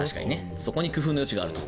そこに工夫の余地があると。